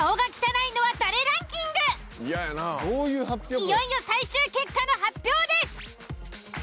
いよいよ最終結果の発表です。